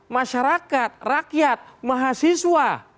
masyarakat rakyat mahasiswa